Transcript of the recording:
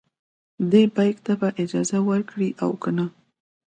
دې بیک ته به اجازه ورکړي او کنه.